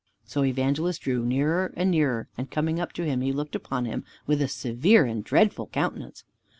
So Evangelist drew nearer and nearer, and coming up to him, he looked upon him with a severe and dreadful countenance.